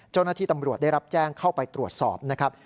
เจ้าหน้าที่ตำรวจได้รับแจ้งเข้าไปตรวจสอบนะครับ